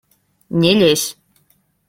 Не лезь!